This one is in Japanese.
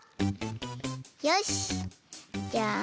よしじゃあ